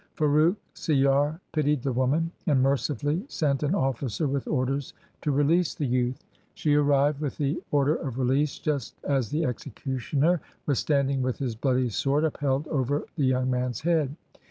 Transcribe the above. Farrukh Siyar pitied the woman, and mercifully sent an officer with orders to release the youth. She arrived LIFE OF GURU GOBIND SINGH 253 with the order of release just as the executioner was standing with his bloody sword upheld over the young man's head.